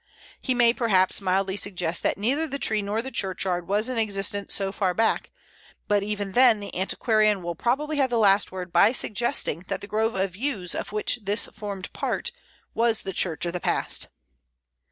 He may, perhaps, mildly suggest that neither the church nor the churchyard was in existence so far back, but even then the antiquarian will probably have the last word by suggesting that the grove of Yews of which this formed part was the church of the past.